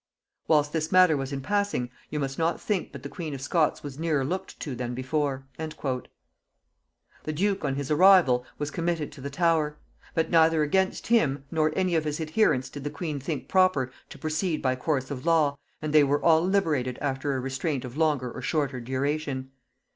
Whilst this matter was in passing, you must not think but the queen of Scots was nearer looked to than before." The duke on his arrival was committed to the Tower; but neither against him nor any of his adherents did the queen think proper to proceed by course of law, and they were all liberated after a restraint of longer or shorter duration.